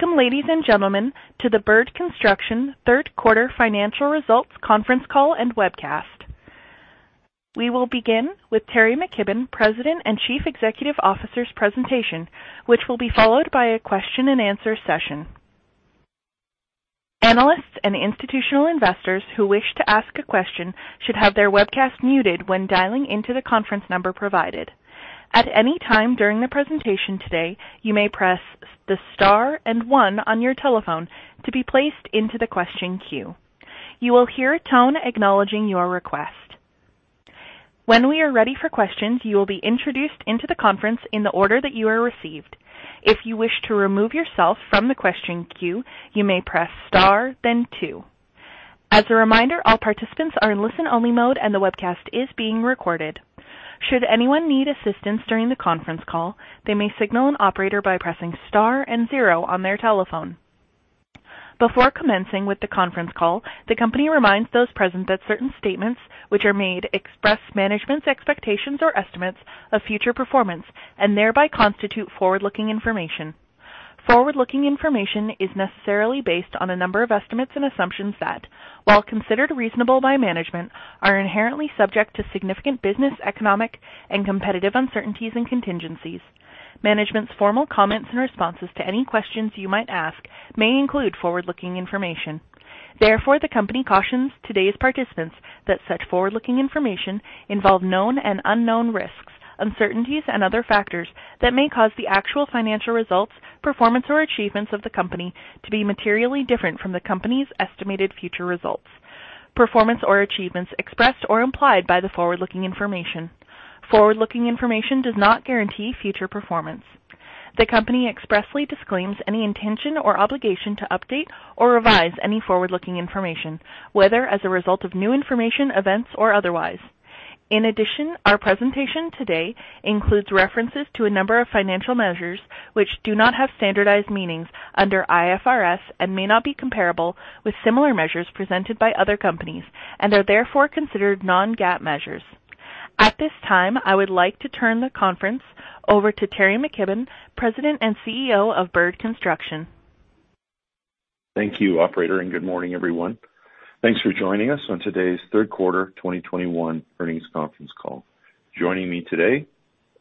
Welcome, ladies and gentlemen, to the Bird Construction Third Quarter Financial Results Conference Call and Webcast. We will begin with Teri McKibbon, President and Chief Executive Officer's presentation, which will be followed by a question and answer session. Analysts and institutional investors who wish to ask a question should have their webcast muted when dialing into the conference number provided. At any time during the presentation today, you may press the star and one on your telephone to be placed into the question queue. You will hear a tone acknowledging your request. When we are ready for questions, you will be introduced into the conference in the order that you are received. If you wish to remove yourself from the question queue, you may press star then two. As a reminder, all participants are in listen-only mode and the webcast is being recorded. Before commencing with the conference call, the company reminds those present that certain statements which are made express management's expectations or estimates of future performance and thereby constitute forward-looking information. Forward-looking information is necessarily based on a number of estimates and assumptions that, while considered reasonable by management, are inherently subject to significant business, economic, and competitive uncertainties and contingencies. Management's formal comments and responses to any questions you might ask may include forward-looking information. Therefore, the company cautions today's participants that such forward-looking information involve known and unknown risks, uncertainties and other factors that may cause the actual financial results, performance or achievements of the company to be materially different from the company's estimated future results, performance or achievements expressed or implied by the forward-looking information. Forward-looking information does not guarantee future performance. The company expressly disclaims any intention or obligation to update or revise any forward-looking information, whether as a result of new information, events, or otherwise. In addition, our presentation today includes references to a number of financial measures which do not have standardized meanings under IFRS and may not be comparable with similar measures presented by other companies and are therefore considered non-GAAP measures. At this time, I would like to turn the conference over to Teri McKibbon, President and CEO of Bird Construction. Thank you, operator, and good morning, everyone. Thanks for joining us on today's Third Quarter 2021 Earnings Conference Call. Joining me today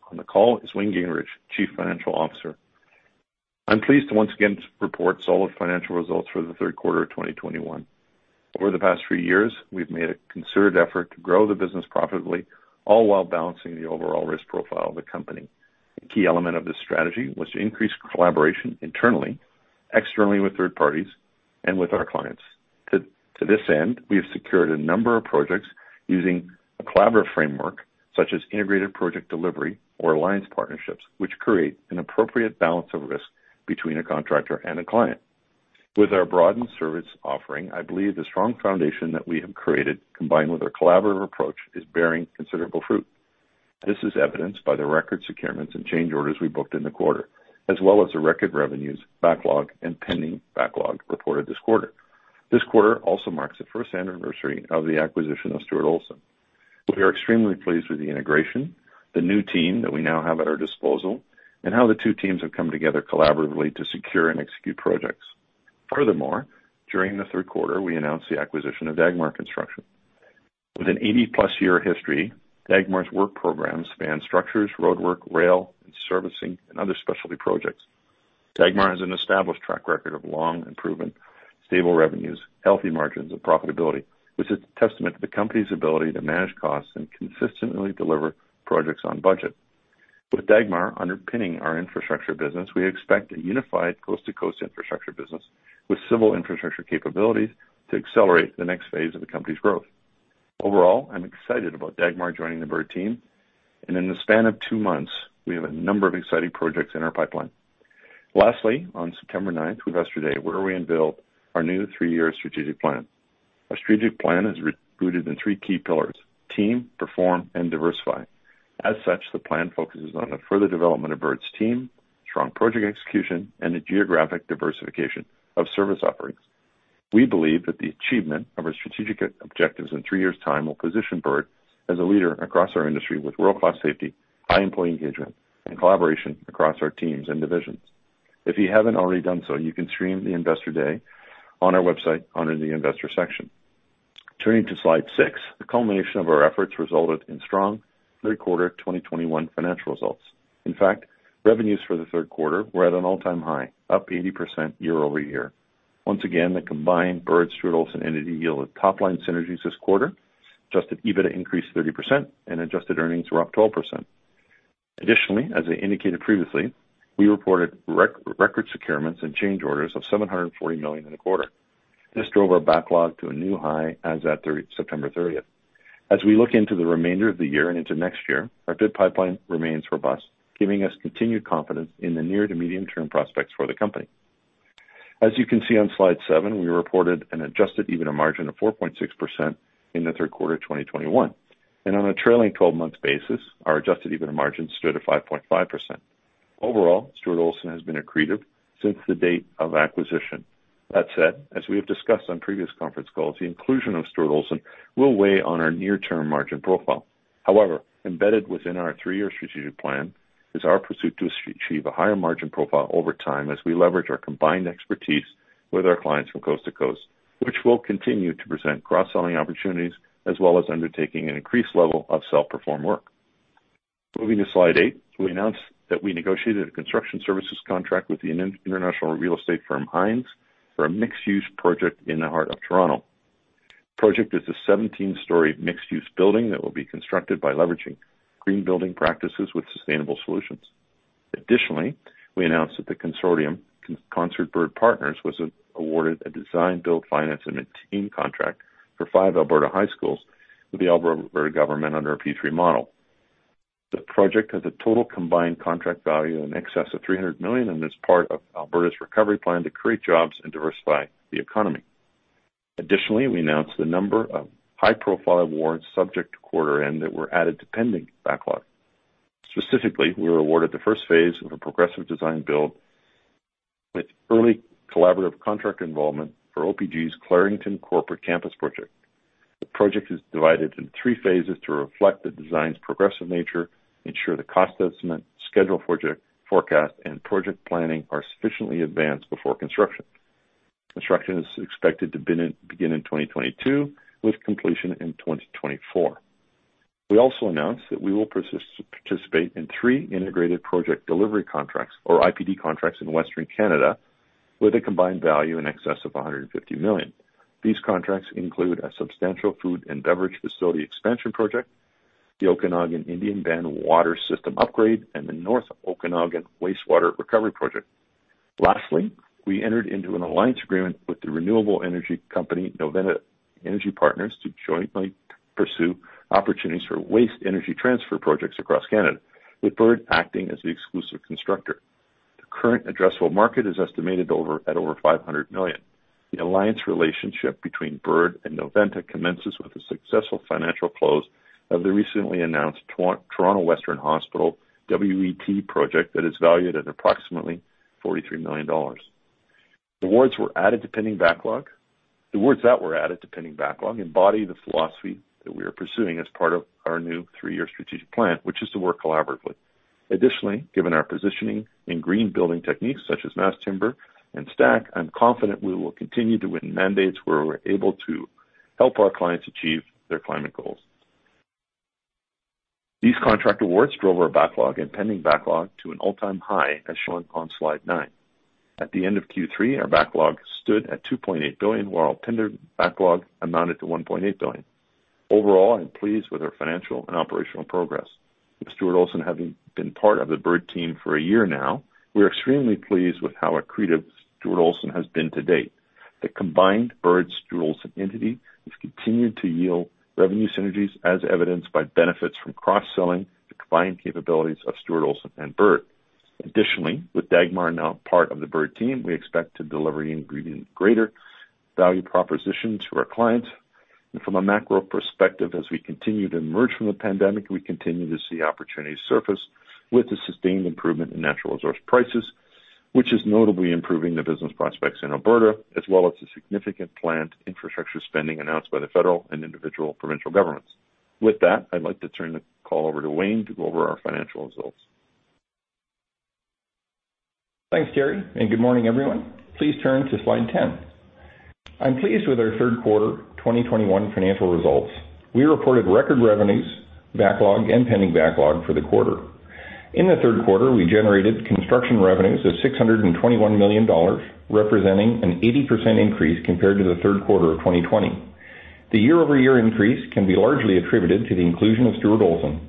on the call is Wayne Gingrich, Chief Financial Officer. I'm pleased to once again report solid financial results for the third quarter of 2021. Over the past few years, we've made a concerted effort to grow the business profitably, all while balancing the overall risk profile of the company. A key element of this strategy was to increase collaboration internally, externally with third parties, and with our clients. To this end, we have secured a number of projects using a collaborative framework such as integrated project delivery or alliance partnerships, which create an appropriate balance of risk between a contractor and a client. With our broadened service offering, I believe the strong foundation that we have created, combined with our collaborative approach, is bearing considerable fruit. This is evidenced by the record securements and change orders we booked in the quarter, as well as the record revenues, backlog, and pending backlog reported this quarter. This quarter also marks the first anniversary of the acquisition of Stuart Olson. We are extremely pleased with the integration, the new team that we now have at our disposal, and how the two teams have come together collaboratively to secure and execute projects. Furthermore, during the third quarter, we announced the acquisition of Dagmar Construction. With an 80+ year history, Dagmar's work program spans structures, roadwork, rail, and servicing and other specialty projects. Dagmar has an established track record of long and proven stable revenues, healthy margins of profitability, which is a testament to the company's ability to manage costs and consistently deliver projects on budget. With Dagmar underpinning our infrastructure business, we expect a unified coast-to-coast infrastructure business with civil infrastructure capabilities to accelerate the next phase of the company's growth. Overall, I'm excited about Dagmar joining the Bird team, and in the span of two months, we have a number of exciting projects in our pipeline. Lastly, on September ninth with Investor Day, we unveiled our new three-year Strategic Plan. Our Strategic Plan is rooted in three key pillars, team, perform, and diversify. As such, the plan focuses on the further development of Bird's team, strong project execution, and a geographic diversification of service offerings. We believe that the achievement of our strategic objectives in three years' time will position Bird as a leader across our industry with world-class safety, high employee engagement, and collaboration across our teams and divisions. If you haven't already done so, you can stream the Investor Day on our website under the investor section. Turning to slide 6, the culmination of our efforts resulted in strong third quarter 2021 financial results. In fact, revenues for the third quarter were at an all-time high, up 80% year-over-year. Once again, the combined Bird, Stuart Olson entity yielded top-line synergies this quarter. Adjusted EBITDA increased 30% and adjusted earnings were up 12%. Additionally, as I indicated previously, we reported record securements and change orders of 740 million in the quarter. This drove our backlog to a new high as at September 30. As we look into the remainder of the year and into next year, our bid pipeline remains robust, giving us continued confidence in the near- to medium-term prospects for the company. As you can see on slide 7, we reported an adjusted EBITDA margin of 4.6% in the third quarter of 2021. On a trailing 12-month basis, our adjusted EBITDA margin stood at 5.5%. Overall, Stuart Olson has been accretive since the date of acquisition. That said, as we have discussed on previous conference calls, the inclusion of Stuart Olson will weigh on our near-term margin profile. However, embedded within our 3-year strategic plan is our pursuit to achieve a higher margin profile over time as we leverage our combined expertise with our clients from coast to coast, which will continue to present cross-selling opportunities as well as undertaking an increased level of self-perform work. Moving to slide 8. We announced that we negotiated a construction services contract with the international real estate firm Hines for a mixed-use project in the heart of Toronto. The project is a 17-story mixed-use building that will be constructed by leveraging green building practices with sustainable solutions. Additionally, we announced that the consortium Concert-Bird Partners was awarded a design, build, finance, and maintain contract for five Alberta high schools with the Alberta government under a P3 model. The project has a total combined contract value in excess of 300 million and is part of Alberta's Recovery Plan to create jobs and diversify the economy. Additionally, we announced a number of high-profile awards subject to quarter end that were added to pending backlog. Specifically, we were awarded the first phase of a progressive design build with early collaborative contract involvement for OPG's Clarington Corporate Campus project. The project is divided into three phases to reflect the design's progressive nature, ensure the cost estimate, schedule project forecast, and project planning are sufficiently advanced before construction. Construction is expected to begin in 2022, with completion in 2024. We also announced that we will participate in 3 integrated project delivery contracts or IPD contracts in western Canada with a combined value in excess of 150 million. These contracts include a substantial food and beverage facility expansion project, the Okanagan Indian Band Water System upgrade, and the North Okanagan Wastewater Recovery Project. Lastly, we entered into an alliance agreement with the renewable energy company Noventa Energy Partners to jointly pursue opportunities for waste energy transfer projects across Canada, with Bird acting as the exclusive constructor. The current addressable market is estimated at over 500 million. The alliance relationship between Bird and Noventa commences with the successful financial close of the recently announced Toronto Western Hospital WET project that is valued at approximately 43 million dollars. Awards were added to pending backlog. Awards that were added to pending backlog embody the philosophy that we are pursuing as part of our new three-year strategic plan, which is to work collaboratively. Additionally, given our positioning in green building techniques such as mass timber and stack, I'm confident we will continue to win mandates where we're able to help our clients achieve their climate goals. These contract awards drove our backlog and pending backlog to an all-time high, as shown on slide nine. At the end of Q3, our backlog stood at CAD 2.8 billion, while tender backlog amounted to CAD 1.8 billion. Overall, I'm pleased with our financial and operational progress. With Stuart Olson having been part of the Bird team for a year now, we are extremely pleased with how accretive Stuart Olson has been to date. The combined Bird Stuart Olson entity has continued to yield revenue synergies as evidenced by benefits from cross-selling the combined capabilities of Stuart Olson and Bird. Additionally, with Dagmar now part of the Bird team, we expect to deliver even greater value proposition to our clients. From a macro perspective, as we continue to emerge from the pandemic, we continue to see opportunities surface with the sustained improvement in natural resource prices, which is notably improving the business prospects in Alberta, as well as the significant planned infrastructure spending announced by the federal and individual provincial governments. With that, I'd like to turn the call over to Wayne to go over our financial results. Thanks, Teri, and good morning, everyone. Please turn to slide 10. I'm pleased with our third quarter 2021 financial results. We reported record revenues, backlog, and pending backlog for the quarter. In the third quarter, we generated construction revenues of 621 million dollars, representing an 80% increase compared to the third quarter of 2020. The year-over-year increase can be largely attributed to the inclusion of Stuart Olson.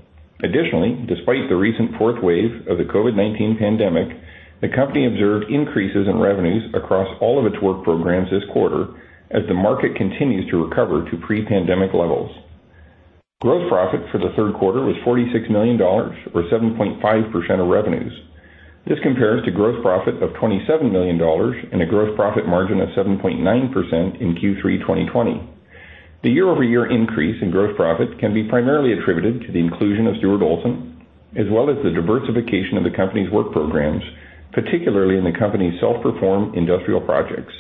Additionally, despite the recent fourth wave of the COVID-19 pandemic, the company observed increases in revenues across all of its work programs this quarter as the market continues to recover to pre-pandemic levels. Gross profit for the third quarter was 46 million dollars or 7.5% of revenues. This compares to gross profit of 27 million dollars and a gross profit margin of 7.9% in Q3 2020. The year-over-year increase in gross profit can be primarily attributed to the inclusion of Stuart Olson, as well as the diversification of the company's work programs, particularly in the company's self-perform industrial projects.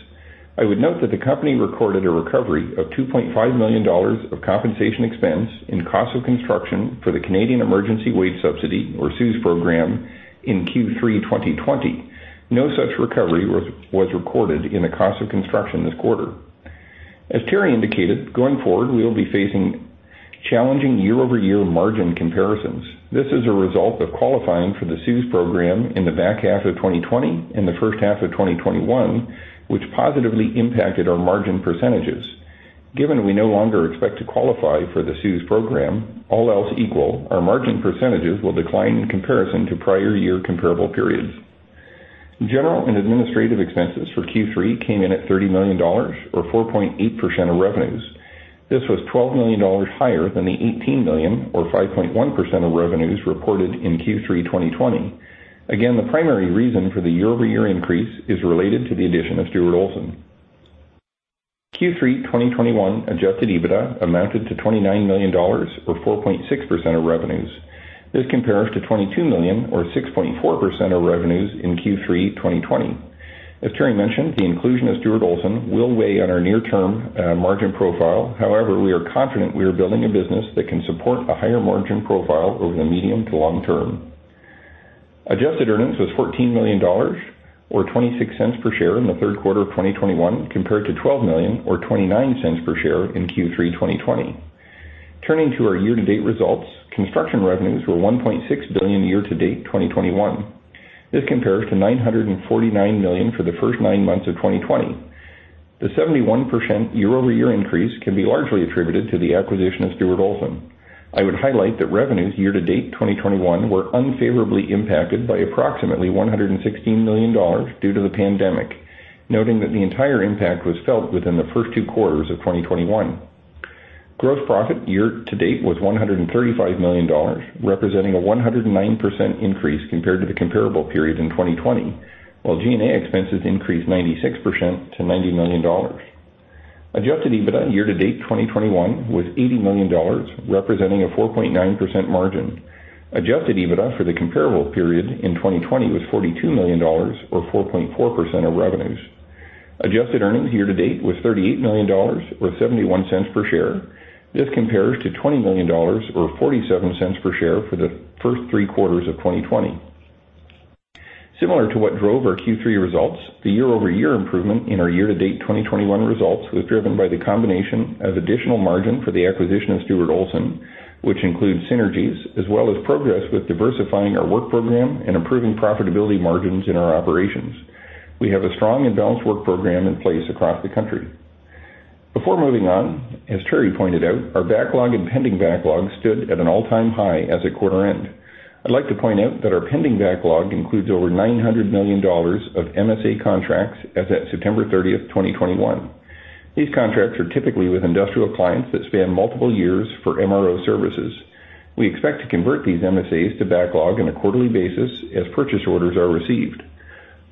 I would note that the company recorded a recovery of 2.5 million dollars of compensation expense in cost of construction for the Canada Emergency Wage Subsidy, or CEWS program, in Q3 2020. No such recovery was recorded in the cost of construction this quarter. As Teri indicated, going forward, we will be facing challenging year-over-year margin comparisons. This is a result of qualifying for the CEWS program in the back half of 2020 and the first half of 2021, which positively impacted our margin percentages. Given we no longer expect to qualify for the CEWS program, all else equal, our margin percentages will decline in comparison to prior year comparable periods. General and administrative expenses for Q3 came in at 30 million dollars or 4.8% of revenues. This was 12 million dollars higher than the 18 million or 5.1% of revenues reported in Q3 2020. The primary reason for the year-over-year increase is related to the addition of Stuart Olson. Q3 2021 adjusted EBITDA amounted to 29 million dollars or 4.6% of revenues. This compares to 22 million or 6.4% of revenues in Q3 2020. As Teri mentioned, the inclusion of Stuart Olson will weigh on our near-term margin profile. However, we are confident we are building a business that can support a higher margin profile over the medium to long term. Adjusted earnings was 14 million dollars or 0.26 per share in the third quarter of 2021, compared to 12 million or 0.29 per share in Q3 2020. Turning to our year-to-date results, construction revenues were 1.6 billion year-to-date 2021. This compares to 949 million for the first 9 months of 2020. The 71% year-over-year increase can be largely attributed to the acquisition of Stuart Olson. I would highlight that revenues year-to-date 2021 were unfavorably impacted by approximately 116 million dollars due to the pandemic, noting that the entire impact was felt within the first two quarters of 2021. Gross profit year-to-date was 135 million dollars, representing a 109% increase compared to the comparable period in 2020, while G&A expenses increased 96% to 90 million dollars. Adjusted EBITDA year-to-date 2021 was 80 million dollars, representing a 4.9% margin. Adjusted EBITDA for the comparable period in 2020 was 42 million dollars or 4.4% of revenues. Adjusted earnings year-to-date was 38 million dollars or 0.71 per share. This compares to 20 million dollars or 0.47 per share for the first three quarters of 2020. Similar to what drove our Q3 results, the year-over-year improvement in our year-to-date 2021 results was driven by the combination of additional margin for the acquisition of Stuart Olson, which includes synergies as well as progress with diversifying our work program and improving profitability margins in our operations. We have a strong and balanced work program in place across the country. Before moving on, as Teri pointed out, our backlog and pending backlog stood at an all-time high as of quarter end. I'd like to point out that our pending backlog includes over 900 million dollars of MSA contracts as at September 30th, 2021. These contracts are typically with industrial clients that span multiple years for MRO services. We expect to convert these MSAs to backlog on a quarterly basis as purchase orders are received.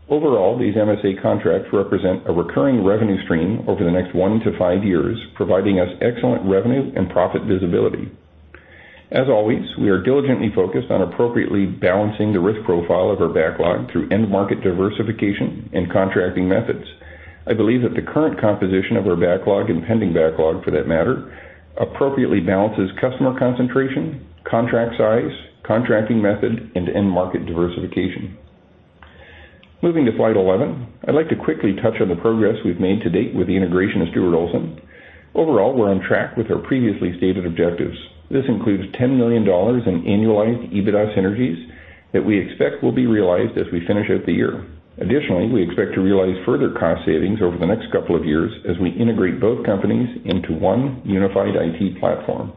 Overall, these MSA contracts represent a recurring revenue stream over the next 1 to 5 years, providing us excellent revenue and profit visibility. As always, we are diligently focused on appropriately balancing the risk profile of our backlog through end market diversification and contracting methods. I believe that the current composition of our backlog and pending backlog, for that matter, appropriately balances customer concentration, contract size, contracting method, and end market diversification. Moving to slide 11, I'd like to quickly touch on the progress we've made to date with the integration of Stuart Olson. Overall, we're on track with our previously stated objectives. This includes 10 million dollars in annualized EBITDA synergies that we expect will be realized as we finish out the year. Additionally, we expect to realize further cost savings over the next couple of years as we integrate both companies into one unified IT platform.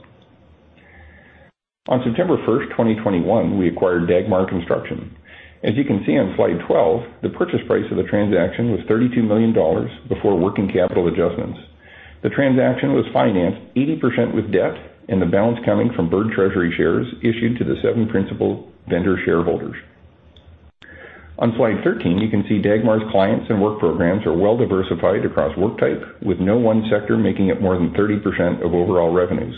On September 1st, 2021, we acquired Dagmar Construction. As you can see on slide 12, the purchase price of the transaction was 32 million dollars before working capital adjustments. The transaction was financed 80% with debt and the balance coming from Bird treasury shares issued to the seven principal vendor shareholders. On slide 13, you can see Dagmar's clients and work programs are well diversified across work type, with no one sector making up more than 30% of overall revenues.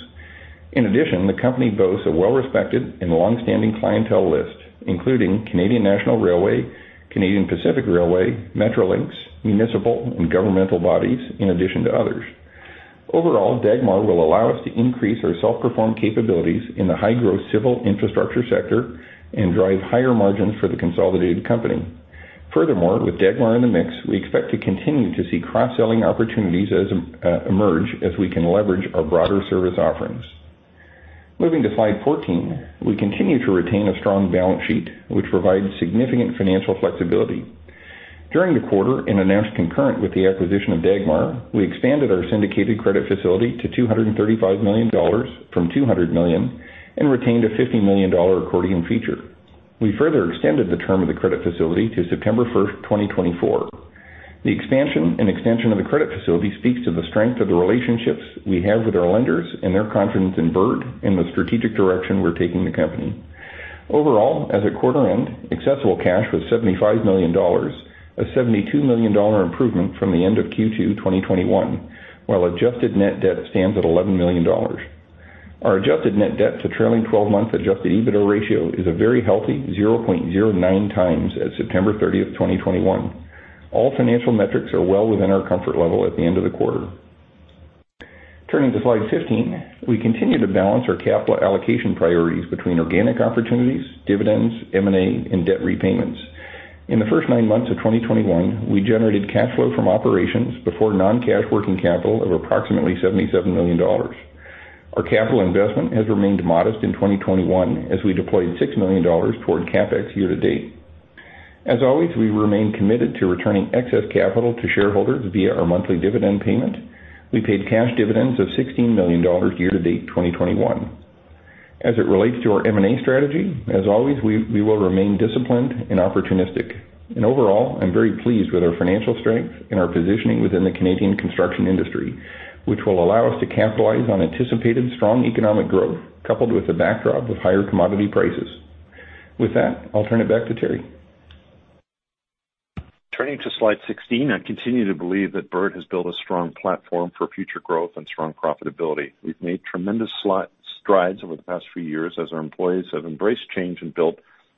In addition, the company boasts a well-respected and long-standing clientele list, including Canadian National Railway, Canadian Pacific Railway, Metrolinx, municipal and governmental bodies, in addition to others. Overall, Dagmar will allow us to increase our self-performed capabilities in the high-growth civil infrastructure sector and drive higher margins for the consolidated company. Furthermore, with Dagmar in the mix, we expect to continue to see cross-selling opportunities as emerge as we can leverage our broader service offerings. Moving to slide 14, we continue to retain a strong balance sheet, which provides significant financial flexibility. During the quarter and announced concurrent with the acquisition of Dagmar, we expanded our syndicated credit facility to 235 million dollars from 200 million and retained a 50 million dollar accordion feature. We further extended the term of the credit facility to September 1st, 2024. The expansion and extension of the credit facility speaks to the strength of the relationships we have with our lenders and their confidence in Bird and the strategic direction we're taking the company. Overall, as at quarter end, accessible cash was 75 million dollars, a 72 million dollar improvement from the end of Q2 2021, while adjusted net debt stands at 11 million dollars. Our adjusted net debt to trailing 12-month adjusted EBITDA ratio is a very healthy 0.09 times as at September 30th, 2021. All financial metrics are well within our comfort level at the end of the quarter. Turning to slide 15, we continue to balance our capital allocation priorities between organic opportunities, dividends, M&A, and debt repayments. In the first 9 months of 2021, we generated cash flow from operations before non-cash working capital of approximately 77 million dollars. Our capital investment has remained modest in 2021 as we deployed 6 million dollars toward CapEx year to date. As always, we remain committed to returning excess capital to shareholders via our monthly dividend payment. We paid cash dividends of 16 million dollars year to date 2021. As it relates to our M&A strategy, as always, we will remain disciplined and opportunistic. Overall, I'm very pleased with our financial strength and our positioning within the Canadian construction industry, which will allow us to capitalize on anticipated strong economic growth, coupled with the backdrop of higher commodity prices. With that, I'll turn it back to Teri. Turning to slide 16. I continue to believe that Bird has built a strong platform for future growth and strong profitability. We've made tremendous strides over the past few years as our employees have embraced change and built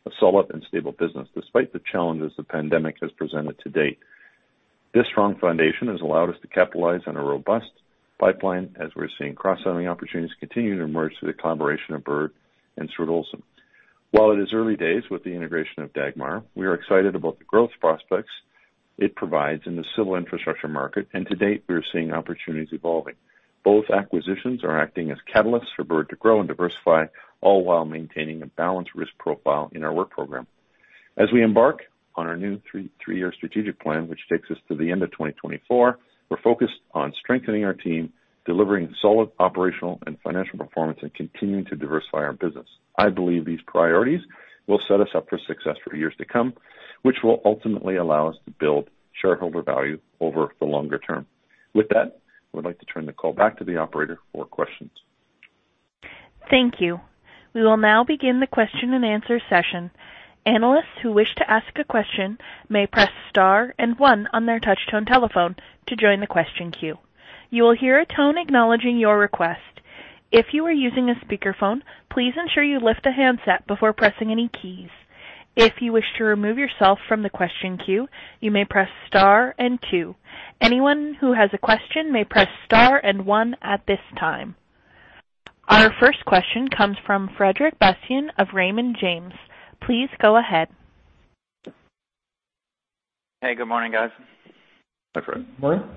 a solid and stable business despite the challenges the pandemic has presented to date. This strong foundation has allowed us to capitalize on a robust pipeline as we're seeing cross-selling opportunities continue to emerge through the collaboration of Bird and Stuart Olson. While it is early days with the integration of Dagmar, we are excited about the growth prospects it provides in the civil infrastructure market, and to date, we are seeing opportunities evolving. Both acquisitions are acting as catalysts for Bird to grow and diversify, all while maintaining a balanced risk profile in our work program. As we embark on our new three-year strategic plan, which takes us to the end of 2024, we're focused on strengthening our team, delivering solid operational and financial performance, and continuing to diversify our business. I believe these priorities will set us up for success for years to come, which will ultimately allow us to build shareholder value over the longer term. With that, I would like to turn the call back to the operator for questions. Thank you. We will now begin the question-and-answer session. Analysts who wish to ask a question may press star and one on their touchtone telephone to join the question queue. You will hear a tone acknowledging your request. If you are using a speakerphone, please ensure you lift the handset before pressing any keys. If you wish to remove yourself from the question queue, you may press star and two. Anyone who has a question may press star and one at this time. Our first question comes from Frederic Bastien of Raymond James. Please go ahead. Hey, good morning, guys. Hi, Fred. Morning.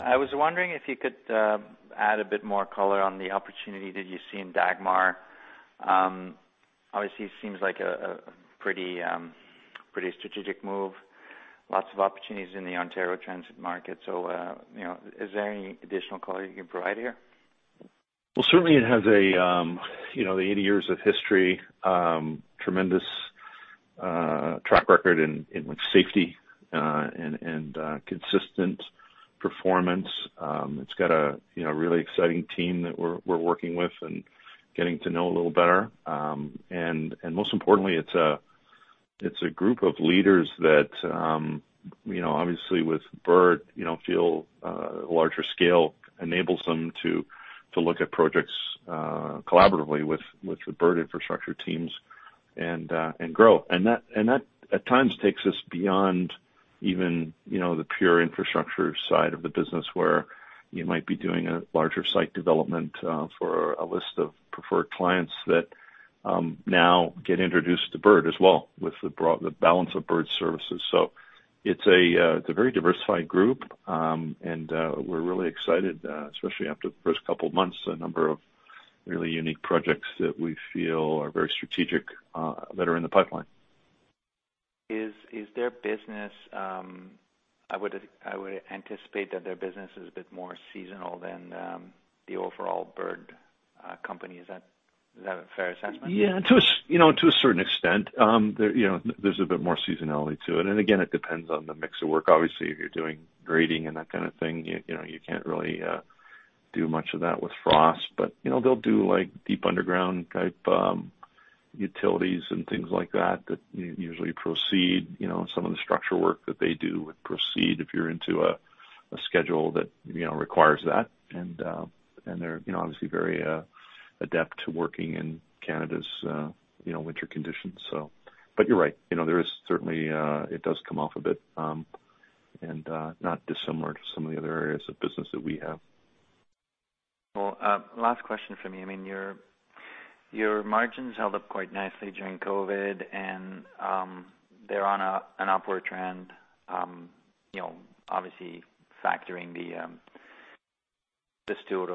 I was wondering if you could add a bit more color on the opportunity that you see in Dagmar. Obviously, it seems like a pretty strategic move. Lots of opportunities in the Ontario transit market. You know, is there any additional color you can provide here? Well, certainly, it has a, you know, the 80 years of history, tremendous track record in safety and consistent performance. It's got a, you know, really exciting team that we're working with and getting to know a little better. And most importantly, it's a group of leaders that, you know, obviously with Bird, you know, feel larger scale enables them to look at projects collaboratively with the Bird infrastructure teams and grow. And that at times takes us beyond even, you know, the pure infrastructure side of the business, where you might be doing a larger site development for a list of preferred clients that now get introduced to Bird as well with the broader balance of Bird's services. It's a very diversified group. We're really excited, especially after the first couple of months, a number of really unique projects that we feel are very strategic, that are in the pipeline. I would anticipate that their business is a bit more seasonal than the overall Bird company. Is that a fair assessment? Yeah. To a certain extent. You know, there's a bit more seasonality to it. Again, it depends on the mix of work. Obviously, if you're doing grading and that kind of thing, you know, you can't really do much of that with frost. You know, they'll do like deep underground type utilities and things like that that usually proceed. You know, some of the structural work that they do would proceed if you're into a schedule that, you know, requires that. They're, you know, obviously very adept to working in Canada's winter conditions. You're right. You know, there is certainly it does come off a bit, and not dissimilar to some of the other areas of business that we have. Well, last question for me. I mean, your margins held up quite nicely during COVID, and they're on an upward trend. You know, obviously factoring the Stuart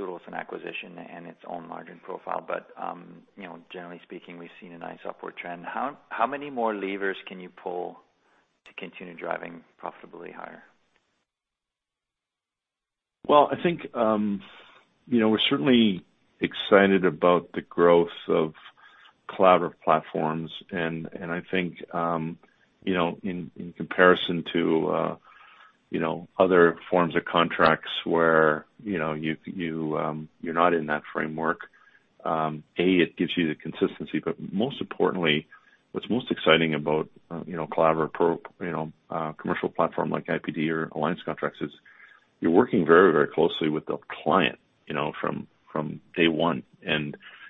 Olson acquisition and its own margin profile. You know, generally speaking, we've seen a nice upward trend. How many more levers can you pull to continue driving profitability higher? Well, I think, you know, we're certainly excited about the growth of collaborative platforms. I think, you know, in comparison to, you know, other forms of contracts where, you know, you you're not in that framework, it gives you the consistency. Most importantly, what's most exciting about, you know, collaborative commercial platform like IPD or alliance contracts is you're working very, very closely with the client, you know, from day one.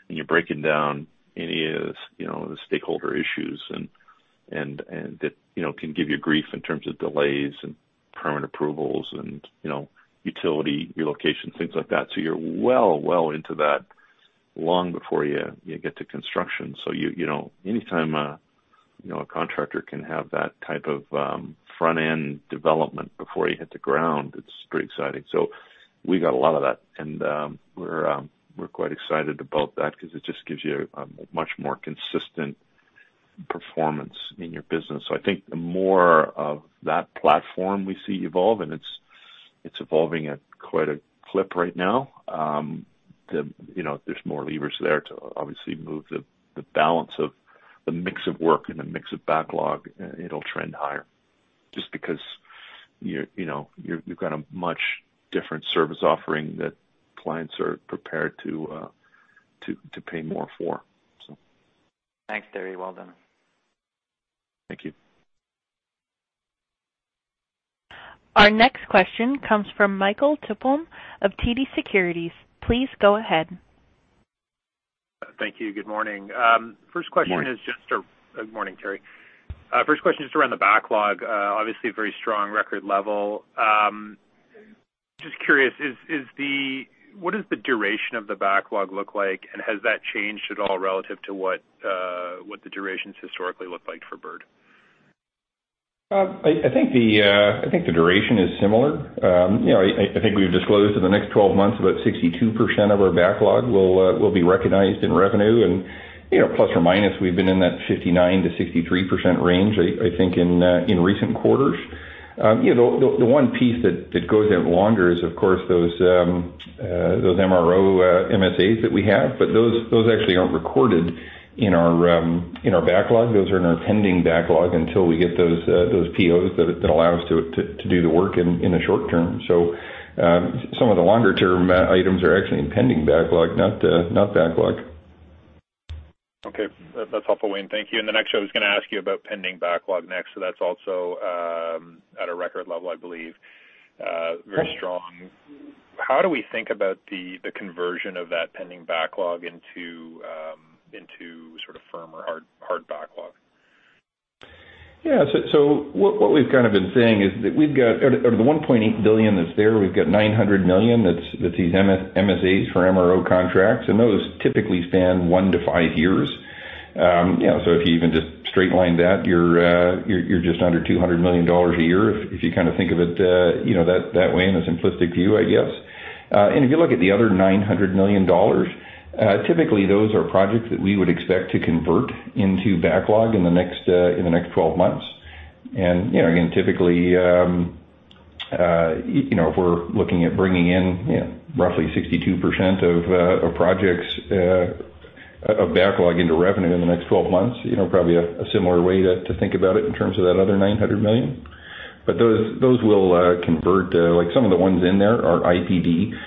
You're breaking down any of the you know, the stakeholder issues and that, you know, can give you grief in terms of delays and permit approvals and, you know, utility relocation, things like that. You're well into that long before you get to construction. You know, anytime a contractor can have that type of front-end development before you hit the ground, it's pretty exciting. We got a lot of that. We're quite excited about that because it just gives you a much more consistent performance in your business. I think the more of that platform we see evolve, and it's evolving at quite a clip right now, you know, there's more levers there to obviously move the balance of the mix of work and the mix of backlog. It'll trend higher just because You know, you've got a much different service offering that clients are prepared to pay more for so. Thanks, Teri. Well done. Thank you. Our next question comes from Michael Tupholme of TD Securities. Please go ahead. Thank you. Good morning. First question is just. Good morning. Good morning, Teri. First question is around the backlog. Obviously a very strong record level. Just curious, what is the duration of the backlog look like, and has that changed at all relative to what the durations historically look like for Bird? I think the duration is similar. You know, we've disclosed in the next 12 months, about 62% of our backlog will be recognized in revenue. You know, plus or minus, we've been in that 59%-63% range in recent quarters. You know, the one piece that goes out longer is of course, those MRO MSAs that we have. Those actually aren't recorded in our backlog. Those are in our pending backlog until we get those POs that allow us to do the work in the short term. Some of the longer term items are actually in pending backlog, not backlog. Okay. That's helpful, Wayne. Thank you. The next thing I was gonna ask you about pending backlog. That's also at a record level, I believe, very strong. How do we think about the conversion of that pending backlog into sort of firm or hard backlog? What we've kind of been saying is that we've got out of the 1.8 billion that's there, we've got 900 million that's these MSAs for MRO contracts, and those typically span 1-5 years. You know, if you even just straight line that, you're just under 200 million dollars a year if you kinda think of it that way in a simplistic view, I guess. And if you look at the other 900 million dollars, typically those are projects that we would expect to convert into backlog in the next 12 months. You know, again, typically, you know, if we're looking at bringing in, you know, roughly 62% of projects of backlog into revenue in the next 12 months, you know, probably a similar way to think about it in terms of that other 900 million. Those will convert. Like some of the ones in there are IPD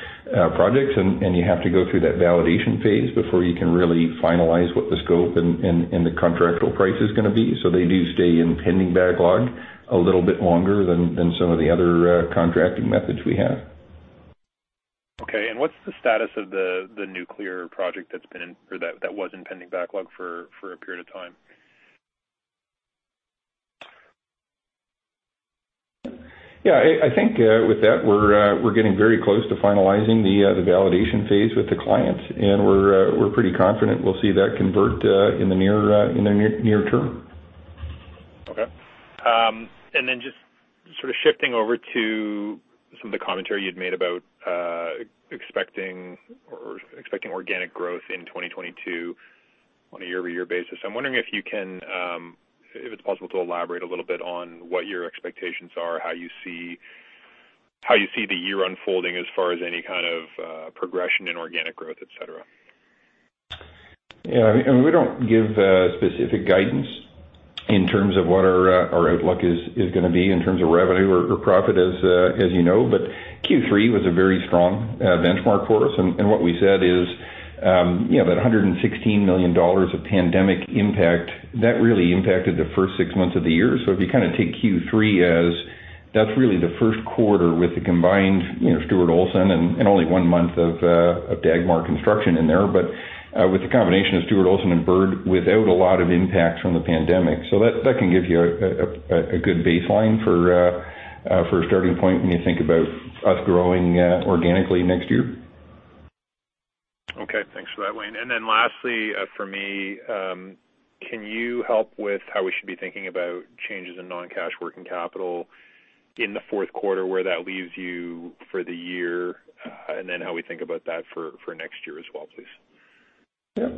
projects, and you have to go through that validation phase before you can really finalize what the scope and the contractual price is gonna be. They do stay in pending backlog a little bit longer than some of the other contracting methods we have. Okay. What's the status of the nuclear project that's been in or that was in pending backlog for a period of time? Yeah. I think with that, we're getting very close to finalizing the validation phase with the client, and we're pretty confident we'll see that convert in the near term. Okay. Just sort of shifting over to some of the commentary you'd made about expecting organic growth in 2022 on a year-over-year basis. I'm wondering if you can, if it's possible to elaborate a little bit on what your expectations are, how you see the year unfolding as far as any kind of progression in organic growth, et cetera. Yeah. I mean, we don't give specific guidance in terms of what our our outlook is gonna be in terms of revenue or profit as you know. Q3 was a very strong benchmark for us. What we said is, you know, that 116 million dollars of pandemic impact, that really impacted the first 6 months of the year. If you kinda take Q3 as that's really the first quarter with the combined, you know, Stuart Olson and only 1 month of Dagmar Construction in there, but with the combination of Stuart Olson and Bird without a lot of impact from the pandemic. That can give you a good baseline for a starting point when you think about us growing organically next year. Okay. Thanks for that, Wayne. Lastly, for me, can you help with how we should be thinking about changes in non-cash working capital in the fourth quarter, where that leaves you for the year, and then how we think about that for next year as well, please? Yeah.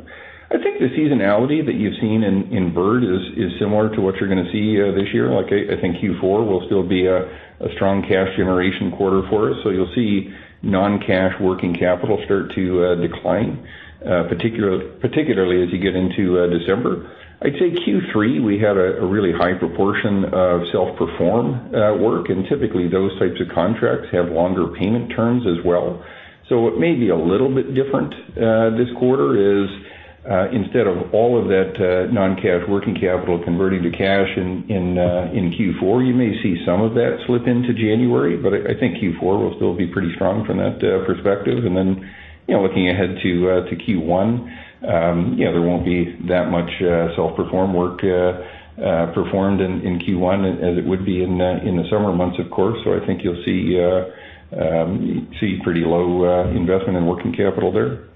I think the seasonality that you've seen in Bird is similar to what you're gonna see this year. Like, I think Q4 will still be a strong cash generation quarter for us. You'll see non-cash working capital start to decline, particularly as you get into December. I'd say Q3, we had a really high proportion of self-perform work, and typically those types of contracts have longer payment terms as well. What may be a little bit different this quarter is, instead of all of that non-cash working capital converting to cash in Q4, you may see some of that slip into January. But I think Q4 will still be pretty strong from that perspective. You know, looking ahead to Q1, yeah, there won't be that much self-perform work performed in Q1 as it would be in the summer months, of course. I think you'll see pretty low investment in working capital there.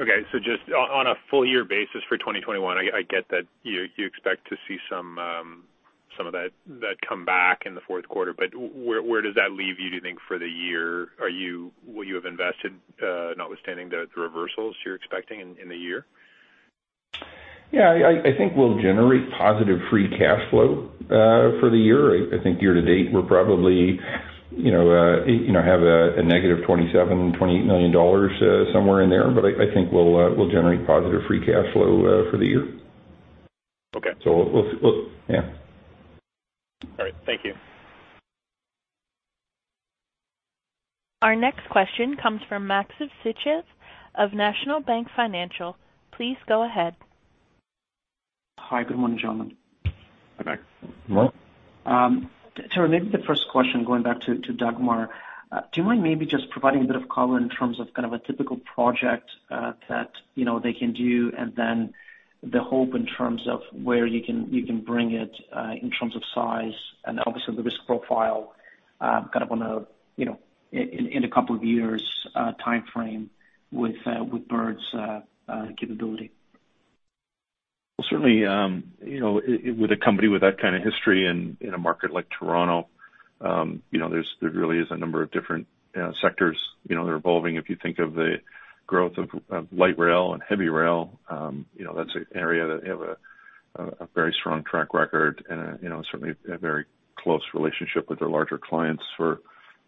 Okay. Just on a full year basis for 2021, I get that you expect to see some of that come back in the fourth quarter, but where does that leave you, do you think, for the year? Will you have invested, notwithstanding the reversals you're expecting in the year? Yeah. I think we'll generate positive free cash flow for the year. I think year to date, we're probably You know, have a negative 27-28 million dollars, somewhere in there, but I think we'll generate positive free cash flow for the year. Okay. Yeah. All right. Thank you. Our next question comes from Maxim Sytchev of National Bank Financial. Please go ahead. Hi. Good morning, gentlemen. Hi. Teri, maybe the first question going back to Dagmar. Do you mind maybe just providing a bit of color in terms of kind of a typical project that, you know, they can do, and then the hope in terms of where you can bring it in terms of size and obviously the risk profile, kind of on a, you know, in a couple of years timeframe with Bird's capability? Well, certainly, you know, with a company with that kind of history in a market like Toronto, you know, there really is a number of different sectors, you know, that are evolving. If you think of the growth of light rail and heavy rail, you know, that's an area that they have a very strong track record and, you know, certainly a very close relationship with their larger clients for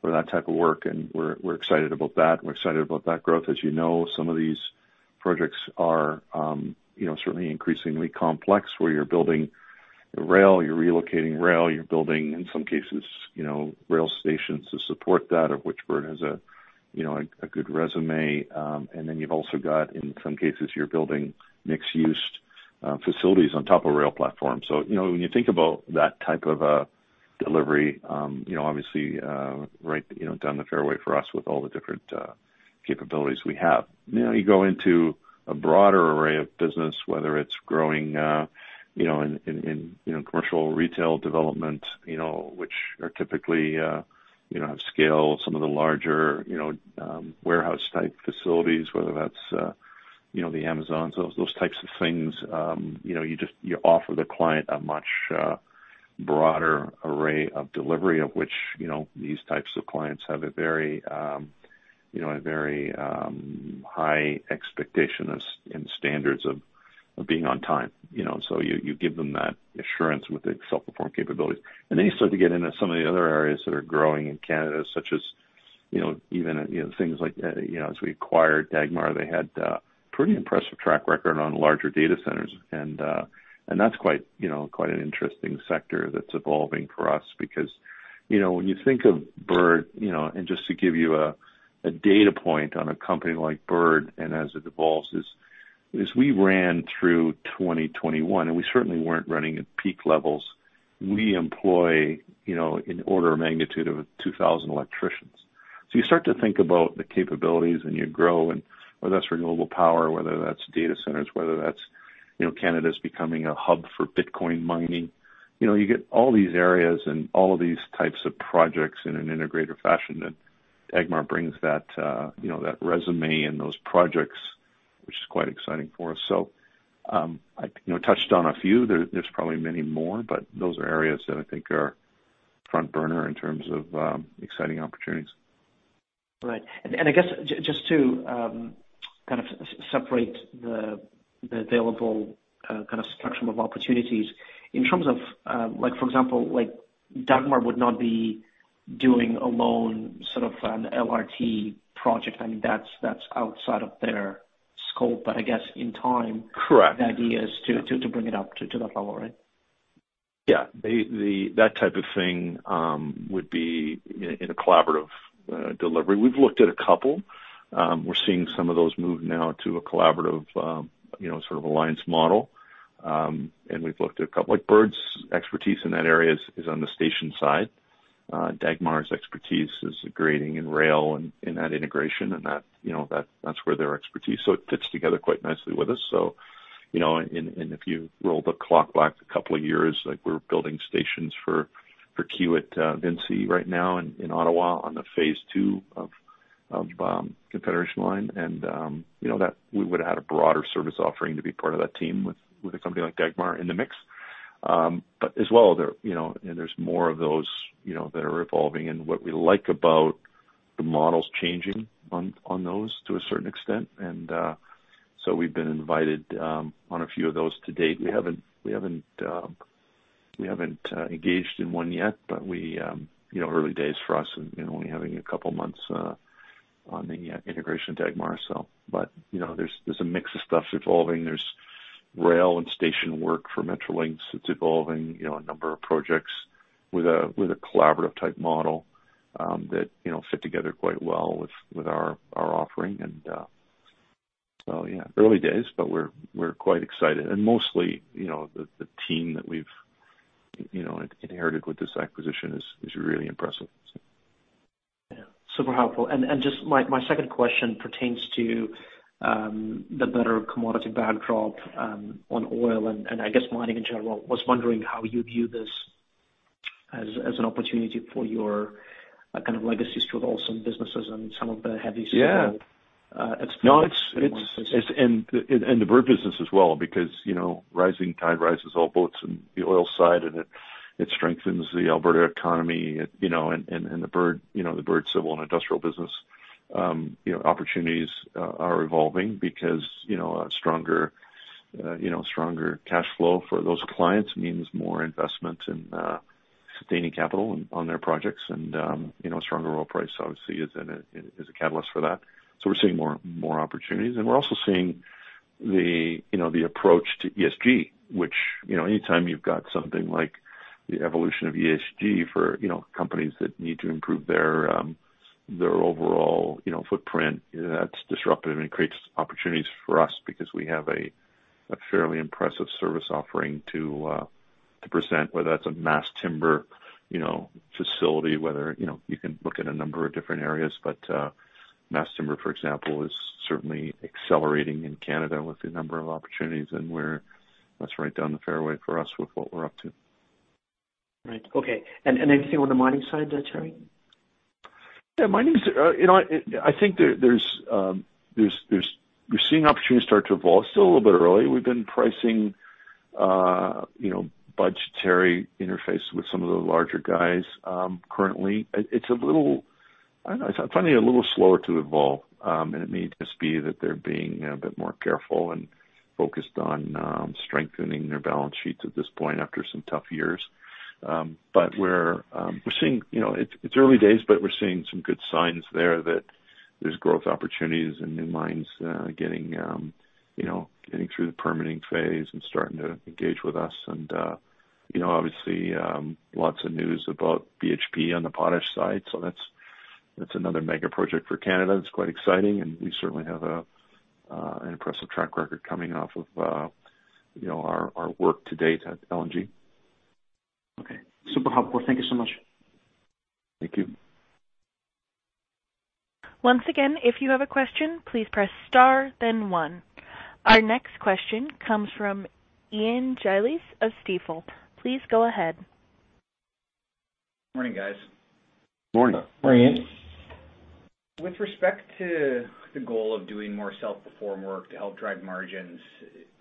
that type of work, and we're excited about that, and we're excited about that growth. As you know, some of these projects are, you know, certainly increasingly complex where you're building rail, you're relocating rail, you're building, in some cases, you know, rail stations to support that of which Bird has a good resume. You've also got, in some cases, you're building mixed-use facilities on top of rail platforms. You know, when you think about that type of a delivery, you know, obviously, right, you know, down the fairway for us with all the different capabilities we have. Now you go into a broader array of business, whether it's growing, you know, in commercial retail development, you know, which are typically, you know, have scale, some of the larger, you know, warehouse type facilities, whether that's, you know, the Amazon, those types of things, you know, you just. You offer the client a much broader array of delivery of which, you know, these types of clients have a very high expectation as in the standards of being on time, you know. You give them that assurance with the self-perform capabilities. You start to get into some of the other areas that are growing in Canada, such as, you know, even, you know, things like, you know, as we acquired Dagmar, they had pretty impressive track record on larger data centers. That's quite, you know, quite an interesting sector that's evolving for us because, you know, when you think of Bird, you know, and just to give you a data point on a company like Bird and as it evolves is we ran through 2021, and we certainly weren't running at peak levels. We employ, you know, in order of magnitude of 2,000 electricians. So you start to think about the capabilities and you grow and whether that's renewable power, whether that's data centers, whether that's, you know, Canada's becoming a hub for Bitcoin mining. You know, you get all these areas and all of these types of projects in an integrated fashion that Dagmar brings that, you know, that resume and those projects, which is quite exciting for us. I, you know, touched on a few. There's probably many more, but those are areas that I think are front burner in terms of exciting opportunities. Right. I guess just to kind of separate the available kind of spectrum of opportunities, in terms of, like, for example, like Dagmar would not be doing alone sort of an LRT project. I mean, that's outside of their scope. I guess in time. Correct. The idea is to bring it up to that level, right? Yeah. The type of thing would be in a collaborative delivery. We've looked at a couple. We're seeing some of those move now to a collaborative, you know, sort of alliance model. And we've looked at a couple. Like, Bird's expertise in that area is on the station side. Dagmar's expertise is grading and rail and in that integration and that's where their expertise. It fits together quite nicely with us. You know, and if you roll the clock back a couple of years, like we're building stations for Kiewit-VINCI right now in Ottawa on the phase two of Confederation Line. You know, that we would've had a broader service offering to be part of that team with a company like Dagmar in the mix. As well, there, you know, and there's more of those, you know, that are evolving and what we like about the models changing on those to a certain extent, so we've been invited on a few of those to date. We haven't engaged in one yet, but we, you know, early days for us and, you know, only having a couple months on the integration of Dagmar. You know, there's a mix of stuff that's evolving. There's rail and station work for Metrolinx that's evolving, you know, a number of projects with a collaborative type model, that, you know, fit together quite well with our offering and, so yeah. Early days, but we're quite excited. Mostly, you know, the team that we've, you know, inherited with this acquisition is really impressive, so. Yeah. Super helpful. Just my second question pertains to the better commodity backdrop on oil and I guess mining in general. Was wondering how you view this as an opportunity for your kind of legacy Stuart Olson businesses and some of the heaviest- Yeah. exposure. No, it's the Bird business as well because, you know, rising tide raises all boats in the oil sands, and it strengthens the Alberta economy, you know, the Bird civil and industrial business, you know, opportunities are evolving because, you know, a stronger cash flow for those clients means more investment in sustaining capital on their projects. You know, a stronger oil price obviously is a catalyst for that. We're seeing more opportunities. We're also seeing you know, the approach to ESG, which you know, anytime you've got something like the evolution of ESG for you know, companies that need to improve their overall you know, footprint, that's disruptive and creates opportunities for us because we have a fairly impressive service offering to present, whether that's a mass timber you know, facility, whether you know, you can look at a number of different areas. Mass timber, for example, is certainly accelerating in Canada with the number of opportunities, and that's right down the fairway for us with what we're up to. Right. Okay. Anything on the mining side there, Teri? Yeah, mining's, you know, I think there's. We're seeing opportunities start to evolve. Still a little bit early. We've been pricing, you know, budgetary interface with some of the larger guys, currently. It's a little. I don't know, I'm finding it a little slower to evolve. It may just be that they're being a bit more careful and focused on strengthening their balance sheets at this point after some tough years. But we're seeing, you know. It's early days, but we're seeing some good signs there that there's growth opportunities and new mines getting through the permitting phase and starting to engage with us. You know, obviously, lots of news about BHP on the potash side. So that's another mega project for Canada. It's quite exciting, and we certainly have an impressive track record coming off of our work to date at LNG. Okay. Super helpful. Thank you so much. Thank you. Once again, if you have a question, please press star then one. Our next question comes from Ian Gillies of Stifel. Please go ahead. Morning, guys. Morning. Morning. With respect to the goal of doing more self-perform work to help drive margins,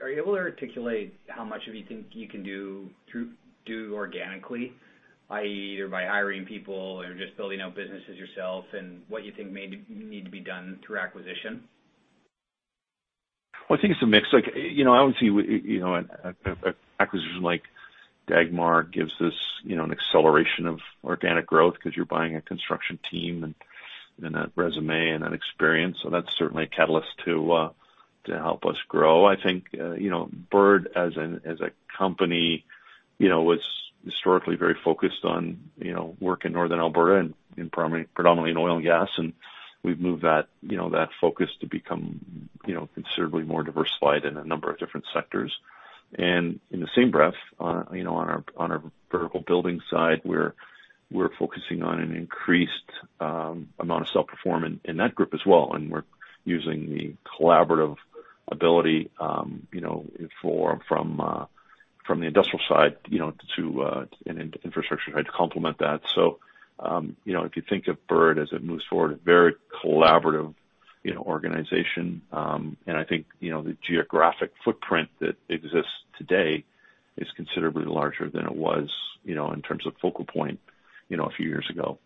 are you able to articulate how much do you think you can do organically, i.e., by hiring people or just building out businesses yourself and what you think may need to be done through acquisition? Well, I think it's a mix. Like, you know, obviously, you know, an acquisition like Dagmar gives us, you know, an acceleration of organic growth because you're buying a construction team and that resume and that experience. That's certainly a catalyst to help us grow. I think, you know, Bird as a company, you know, was historically very focused on, you know, work in Northern Alberta and primarily, predominantly in oil and gas. We've moved that, you know, that focus to become, you know, considerably more diversified in a number of different sectors. In the same breath, you know, on our vertical building side, we're focusing on an increased amount of self-perform in that group as well. We're using the collaborative ability, you know, for from the industrial side, you know, to in infrastructure to complement that. You know, if you think of Bird as it moves forward, a very collaborative, you know, organization. I think, you know, the geographic footprint that exists today is considerably larger than it was, you know, in terms of focal point, you know, a few years ago,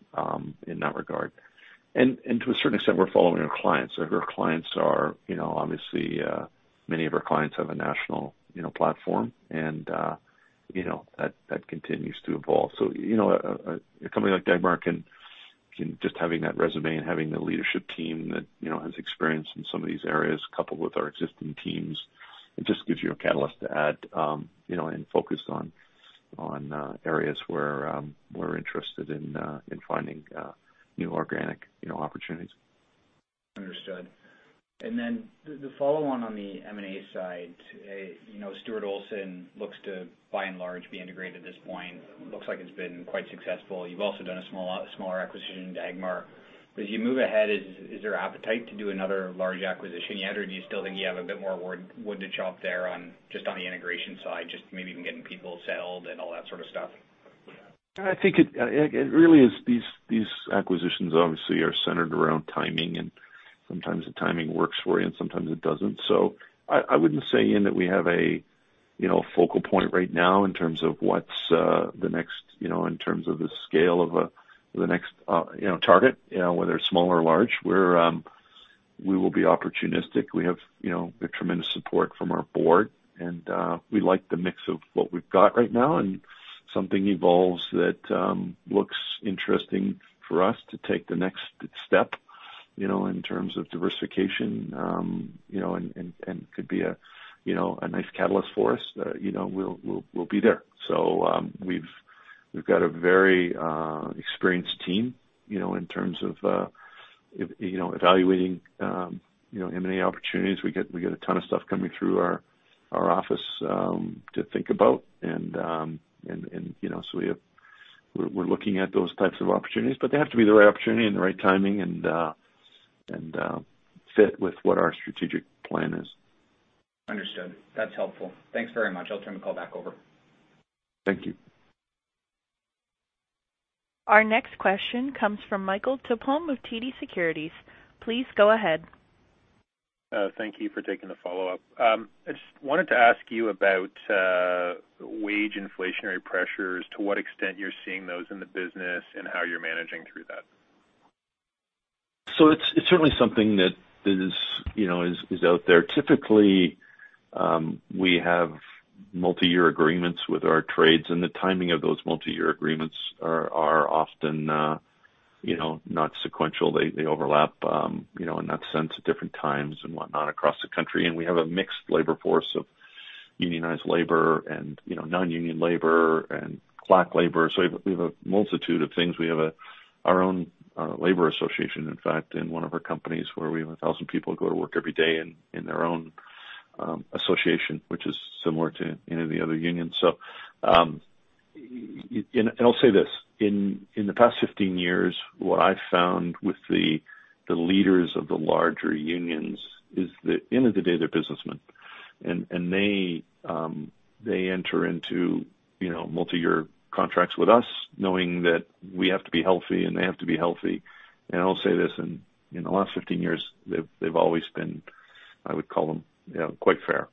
in that regard. To a certain extent, we're following our clients. Our clients are, you know, obviously, many of our clients have a national, you know, platform and, you know, that continues to evolve. You know, a company like Dagmar can just having that resume and having the leadership team that, you know, has experience in some of these areas coupled with our existing teams, it just gives you a catalyst to add, you know, and focus on areas where we're interested in finding new organic, you know, opportunities. Understood. Then the follow-on on the M&A side, you know, Stuart Olson looks to by and large be integrated at this point. Looks like it's been quite successful. You've also done a smaller acquisition in Dagmar. As you move ahead, is there appetite to do another large acquisition yet, or do you still think you have a bit more wood to chop there on just the integration side, just maybe even getting people settled and all that sort of stuff? I think it really is these acquisitions obviously are centered around timing, and sometimes the timing works for you and sometimes it doesn't. I wouldn't say, Ian, that we have a you know focal point right now in terms of what's the next you know in terms of the scale of the next you know target you know whether it's small or large. We will be opportunistic. We have you know a tremendous support from our board and we like the mix of what we've got right now and something evolves that looks interesting for us to take the next step you know in terms of diversification you know and could be a you know a nice catalyst for us you know we'll be there. We've got a very experienced team, you know, in terms of evaluating, you know, M&A opportunities. We get a ton of stuff coming through our office to think about. You know, we're looking at those types of opportunities. They have to be the right opportunity and the right timing and fit with what our Strategic Plan is. Understood. That's helpful. Thanks very much. I'll turn the call back over. Thank you. Our next question comes from Michael Tupholme of TD Securities. Please go ahead. Thank you for taking the follow-up. I just wanted to ask you about wage inflationary pressures, to what extent you're seeing those in the business and how you're managing through that? It's certainly something that is, you know, is out there. Typically, we have multiyear agreements with our trades, and the timing of those multiyear agreements are often, you know, not sequential. They overlap, you know, in that sense at different times and whatnot across the country. We have a mixed labor force of unionized labor and, you know, non-union labor and clock labor. We have a multitude of things. We have our own labor association, in fact, in one of our companies where we have 1,000 people go to work every day in their own association, which is similar to any of the other unions. I'll say this, in the past 15 years, what I've found with the leaders of the larger unions is that end of the day they're businessmen. They enter into, you know, multiyear contracts with us knowing that we have to be healthy, and they have to be healthy. I'll say this, in the last 15 years, they've always been, I would call them, you know, quite fair.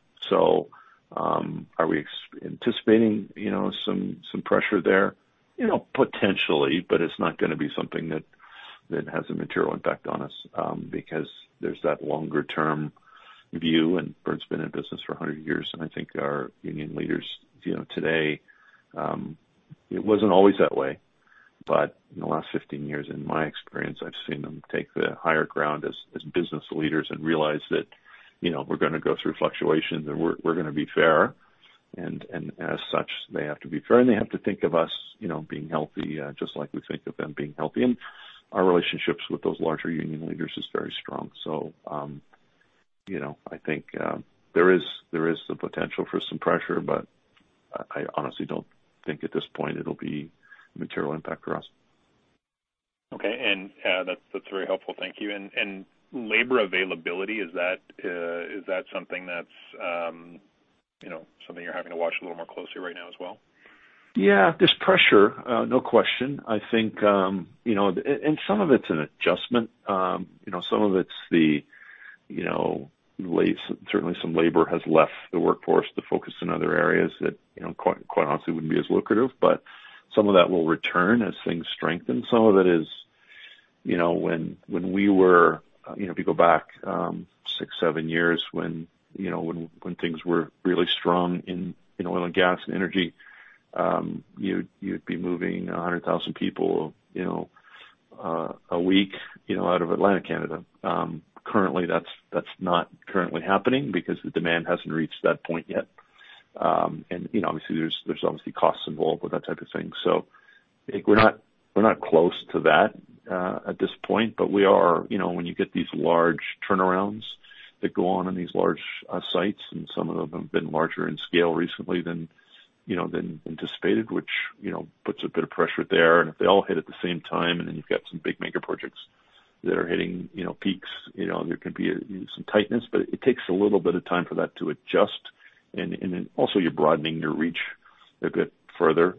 Are we anticipating, you know, some pressure there? You know, potentially, but it's not gonna be something that has a material impact on us, because there's that longer term view. Bird's been in business for 100 years, and I think our union leaders, you know, today, it wasn't always that way, but in the last 15 years, in my experience, I've seen them take the higher ground as business leaders and realize that, you know, we're gonna go through fluctuations and we're gonna be fair. As such, they have to be fair, and they have to think of us, you know, being healthy, just like we think of them being healthy. Our relationships with those larger union leaders is very strong. You know, I think there is the potential for some pressure, but I honestly don't think at this point it'll be a material impact for us. Okay. That's very helpful. Thank you. Labor availability, is that something that's, you know, something you're having to watch a little more closely right now as well? Yeah. There's pressure, no question. I think, you know, and some of it's an adjustment. You know, some of it's certainly some labor has left the workforce to focus in other areas that, you know, quite honestly wouldn't be as lucrative. Some of that will return as things strengthen. Some of it is, you know, if you go back six, seven years when, you know, when things were really strong in oil and gas and energy, you'd be moving 100,000 people, you know, a week, you know, out of Atlantic Canada. Currently, that's not currently happening because the demand hasn't reached that point yet. You know, obviously there's costs involved with that type of thing. I think we're not close to that at this point. We are. You know, when you get these large turnarounds that go on in these large sites, and some of them have been larger in scale recently than, you know, than anticipated, which, you know, puts a bit of pressure there. If they all hit at the same time, and then you've got some big mega projects that are hitting, you know, peaks, you know, there can be some tightness. It takes a little bit of time for that to adjust. Then also you're broadening your reach a bit further.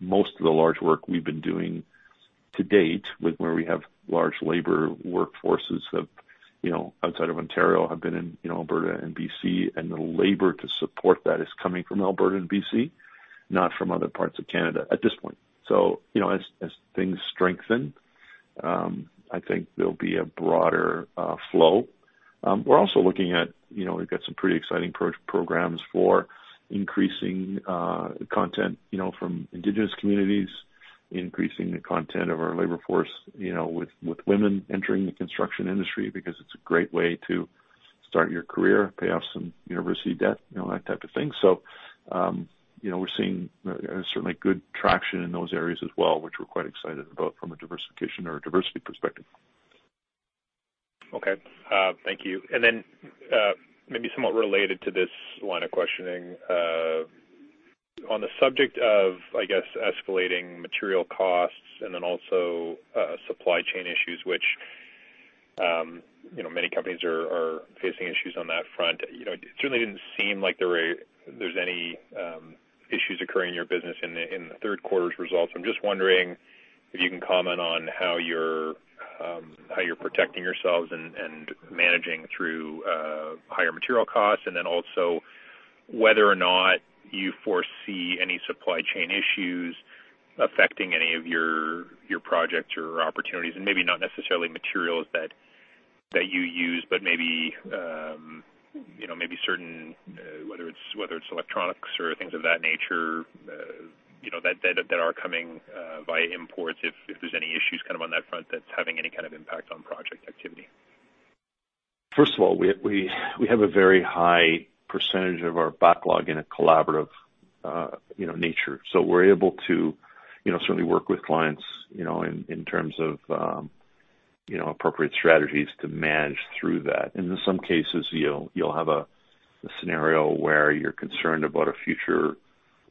Most of the large work we've been doing to date with where we have large labor workforces of, you know, outside of Ontario, have been in, you know, Alberta and BC, and the labor to support that is coming from Alberta and BC, not from other parts of Canada at this point. As things strengthen, I think there'll be a broader flow. We're also looking at, you know, we've got some pretty exciting programs for increasing content, you know, from Indigenous communities, increasing the content of our labor force, you know, with women entering the construction industry because it's a great way to start your career, pay off some university debt, you know, that type of thing. you know, we're seeing certainly good traction in those areas as well, which we're quite excited about from a diversification or a diversity perspective. Okay. Thank you. Maybe somewhat related to this line of questioning, on the subject of, I guess, escalating material costs and then also supply chain issues, which, you know, many companies are facing issues on that front. You know, it certainly didn't seem like there's any issues occurring in your business in the third quarter's results. I'm just wondering if you can comment on how you're protecting yourselves and managing through higher material costs, and then also whether or not you foresee any supply chain issues affecting any of your projects or opportunities. Maybe not necessarily materials that you use, but maybe you know, maybe certain whether it's electronics or things of that nature, you know, that are coming via imports, if there's any issues kind of on that front that's having any kind of impact on project activity. First of all, we have a very high percentage of our backlog in a collaborative, you know, nature. We're able to, you know, certainly work with clients, you know, in terms of appropriate strategies to manage through that. In some cases, you'll have a scenario where you're concerned about a future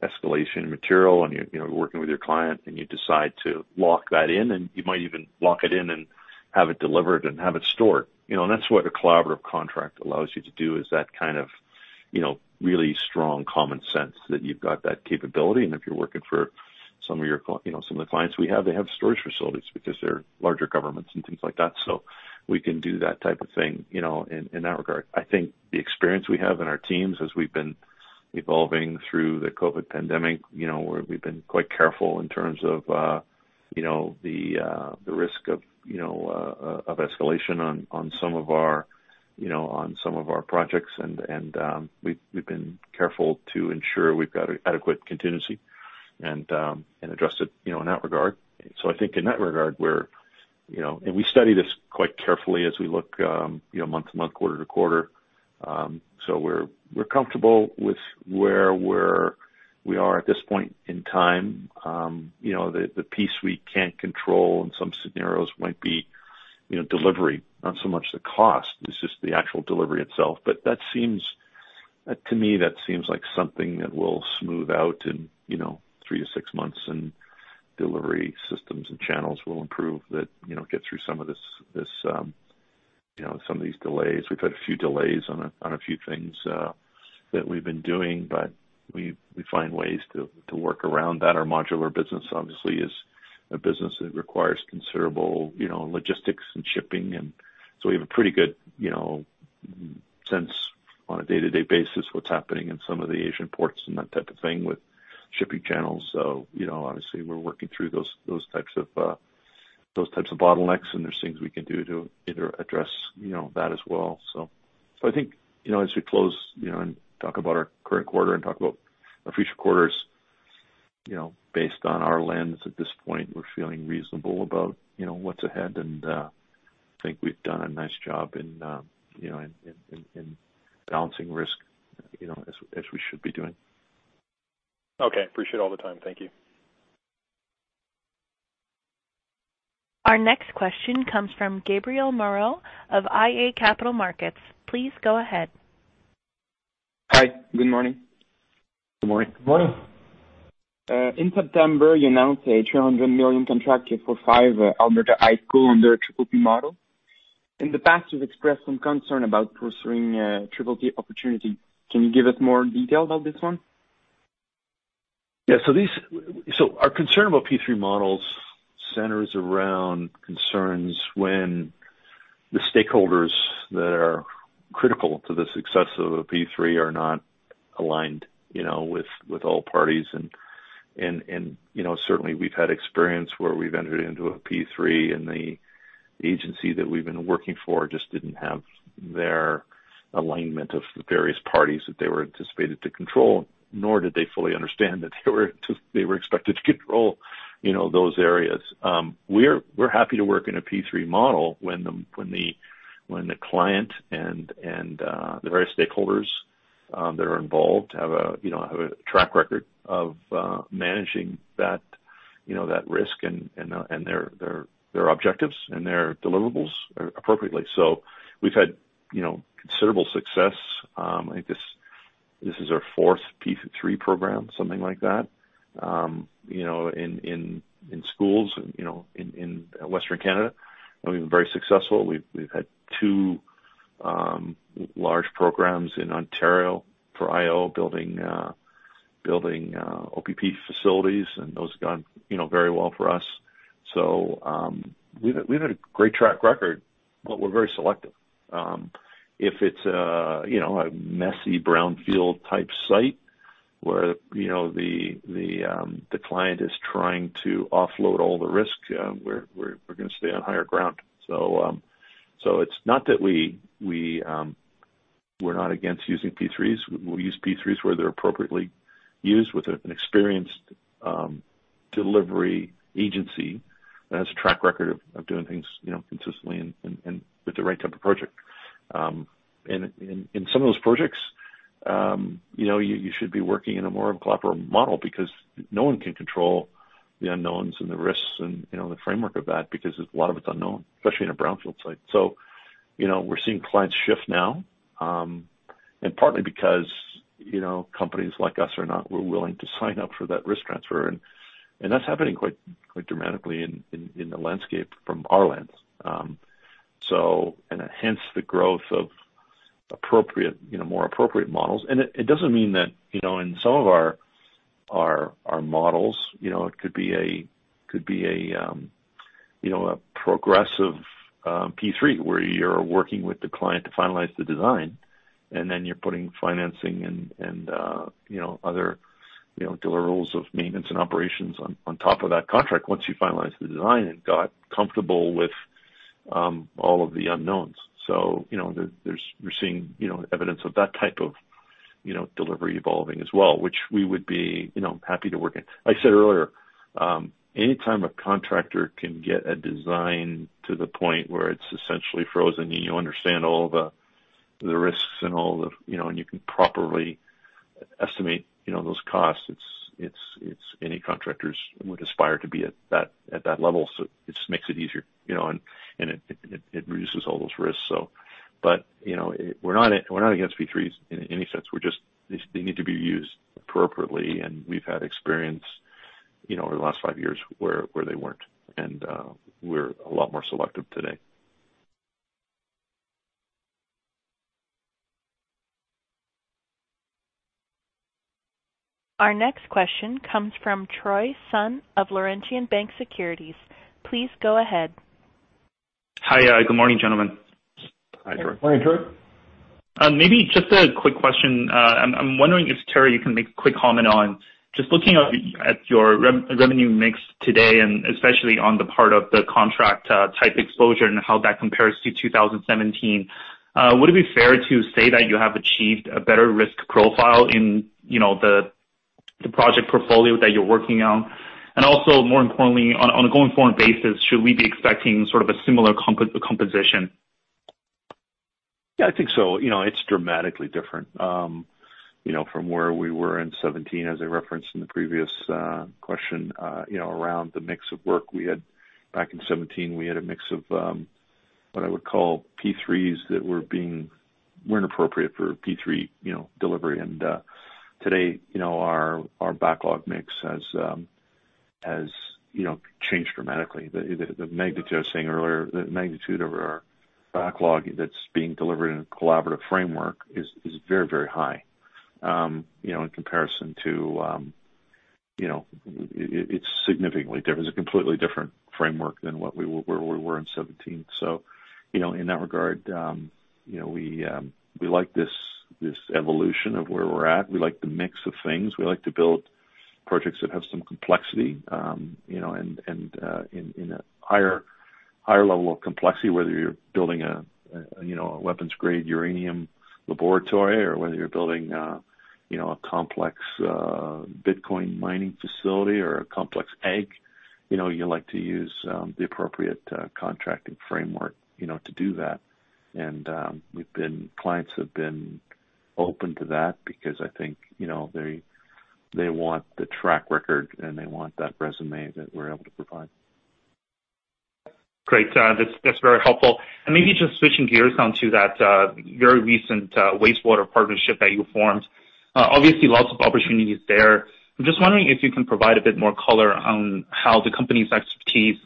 escalation in material and you're, you know, working with your client and you decide to lock that in, and you might even lock it in and have it delivered and have it stored. You know, that's what a collaborative contract allows you to do, is that kind of, you know, really strong common sense that you've got that capability. If you're working for some of the clients we have, they have storage facilities because they're larger governments and things like that, so we can do that type of thing, you know, in that regard. I think the experience we have in our teams as we've been evolving through the COVID pandemic, you know, where we've been quite careful in terms of the risk of escalation on some of our projects. We've been careful to ensure we've got adequate contingency and address it, you know, in that regard. I think in that regard, we're, you know. We study this quite carefully as we look, you know, month to month, quarter to quarter. We're comfortable with where we are at this point in time. You know, the piece we can't control in some scenarios might be, you know, delivery, not so much the cost. It's just the actual delivery itself. That seems to me like something that will smooth out in, you know, three to six months, and delivery systems and channels will improve that, you know, get through some of this, you know, some of these delays. We've had a few delays on a few things that we've been doing, but we find ways to work around that. Our modular business obviously is a business that requires considerable, you know, logistics and shipping. We have a pretty good, you know, sense on a day-to-day basis what's happening in some of the Asian ports and that type of thing with shipping channels. You know, obviously, we're working through those types of bottlenecks, and there's things we can do to either address, you know, that as well. I think, you know, as we close, you know, and talk about our current quarter and talk about our future quarters, you know, based on our lens at this point, we're feeling reasonable about, you know, what's ahead. I think we've done a nice job in, you know, in balancing risk, you know, as we should be doing. Okay. I appreciate all the time. Thank you. Our next question comes from Gabriel Moreau of iA Capital Markets. Please go ahead. Hi. Good morning. Good morning. Good morning. In September, you announced a 300 million contract for five Alberta high schools under a P3 model. In the past, you've expressed some concern about pursuing a P3 opportunity. Can you give us more detail about this one? Our concern about P3 models centers around concerns when the stakeholders that are critical to the success of a P3 are not aligned, you know, with all parties. You know, certainly we've had experience where we've entered into a P3, and the agency that we've been working for just didn't have their alignment of the various parties that they were anticipated to control, nor did they fully understand that they were expected to control, you know, those areas. We're happy to work in a P3 model when the client and the various stakeholders that are involved have a track record of managing that, you know, that risk and their objectives and their deliverables appropriately. We've had considerable success. I think this is our fourth P3 program, something like that, you know, in schools, you know, in Western Canada. We've been very successful. We've had two large programs in Ontario for IO building OPP facilities, and those have gone, you know, very well for us. We've had a great track record, but we're very selective. If it's you know, a messy brownfield type site where, you know, the client is trying to offload all the risk, we're gonna stay on higher ground. It's not that we're not against using P3s. We'll use P3s where they're appropriately used with an experienced delivery agency that has a track record of doing things, you know, consistently and with the right type of project. In some of those projects, you know, you should be working in a more of a collaborative model because no one can control the unknowns and the risks and, you know, the framework of that because a lot of it's unknown, especially in a brownfield site. You know, we're seeing clients shift now, and partly because, you know, companies like us are willing to sign up for that risk transfer. That's happening quite dramatically in the landscape from our lens. Hence the growth of appropriate, you know, more appropriate models. It doesn't mean that, you know, in some of our models, you know, it could be a you know, a progressive P3, where you're working with the client to finalize the design, and then you're putting financing and you know, other you know, deliverables of maintenance and operations on top of that contract once you finalize the design and got comfortable with all of the unknowns. You know, we're seeing, you know, evidence of that type of you know, delivery evolving as well, which we would be you know, happy to work in. Like I said earlier, anytime a contractor can get a design to the point where it's essentially frozen and you understand all the risks and all the, you know, and you can properly estimate, you know, those costs, it's any contractors would aspire to be at that level. It just makes it easier, you know, and it reduces all those risks. But, you know, we're not against P3s in any sense. We're just, they need to be used appropriately, and we've had experience, you know, over the last five years where they weren't. We're a lot more selective today. Our next question comes from Troy Sun of Laurentian Bank Securities. Please go ahead. Hi, good morning, gentlemen. Hi, Troy. Morning, Troy. Maybe just a quick question. I'm wondering if, Teri, you can make a quick comment on just looking at your revenue mix today, and especially on the part of the contract type exposure and how that compares to 2017. Would it be fair to say that you have achieved a better risk profile in the project portfolio that you're working on? Also more importantly on a going forward basis, should we be expecting sort of a similar composition? Yeah, I think so. You know, it's dramatically different from where we were in 2017, as I referenced in the previous question, you know, around the mix of work we had. Back in 2017, we had a mix of what I would call P3s that weren't appropriate for P3 delivery. Today, you know, our backlog mix has changed dramatically. The magnitude I was saying earlier, the magnitude of our backlog that's being delivered in a collaborative framework is very high. You know, in comparison to, you know, it's significantly different. It's a completely different framework than what we were in 2017. In that regard, you know, we like this evolution of where we're at. We like the mix of things. We like to build projects that have some complexity and in a higher level of complexity, whether you're building a weapons-grade uranium laboratory or whether you're building a complex Bitcoin mining facility or a complex egg. You like to use the appropriate contracting framework to do that. Clients have been open to that because I think, you know, they want the track record, and they want that resume that we're able to provide. Great. That's very helpful. Maybe just switching gears onto that very recent wastewater partnership that you formed. Obviously lots of opportunities there. I'm just wondering if you can provide a bit more color on how the company's expertise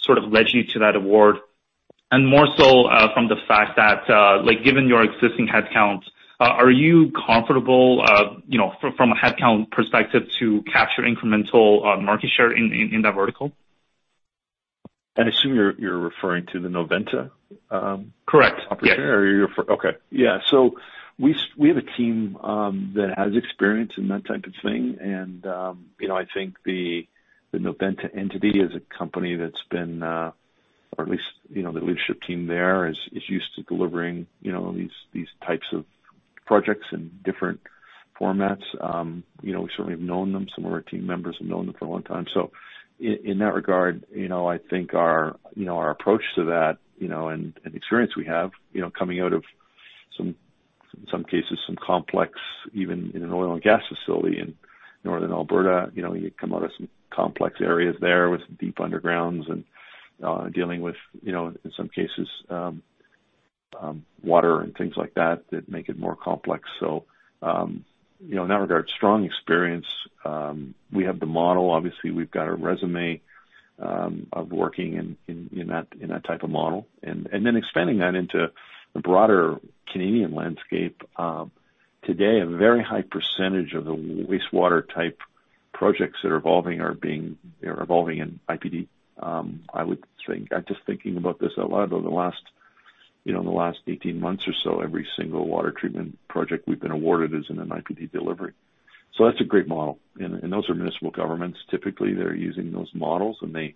sort of led you to that award. More so from the fact that, like, given your existing headcounts, are you comfortable, you know, from a headcount perspective to capture incremental market share in that vertical? I assume you're referring to the Noventa. Correct. Yes. Okay. Yeah. We have a team that has experience in that type of thing. You know, I think the Noventa entity is a company that's been, or at least, you know, the leadership team there is used to delivering, you know, these types of projects in different formats. You know, we certainly have known them. Some of our team members have known them for a long time. In that regard, you know, I think our approach to that, you know, and experience we have, you know, coming out of some cases, some complex, even in an oil and gas facility in Northern Alberta, you know, you come out of some complex areas there with deep undergrounds and dealing with, you know, in some cases, water and things like that make it more complex. In that regard, you know, strong experience. We have the model, obviously, we've got a resume of working in that type of model. Then expanding that into the broader Canadian landscape. Today, a very high percentage of the wastewater type projects that are evolving are evolving in IPD. I would think. I'm just thinking about this a lot, over the last, you know, in the last 18 months or so, every single water treatment project we've been awarded is in an IPD delivery. That's a great model. Those are municipal governments. Typically, they're using those models, and they,